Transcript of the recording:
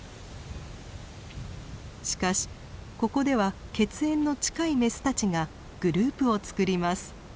しかしここでは血縁の近いメスたちがグループをつくります。